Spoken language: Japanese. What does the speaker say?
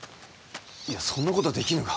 いやそんなことはできぬが。